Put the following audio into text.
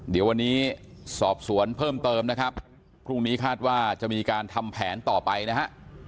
เดี๋ยววันนี้สอบสวนเพิ่มเติมนะครับพรุ่งนี้คาดว่าจะมีการทำแผนต่อไปนะฮะ